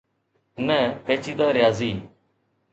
نه پيچيده رياضي.